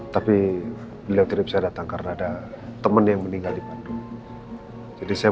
tapi beliau tidak bisa datang karena ada teman yang meninggal di bandung jadi saya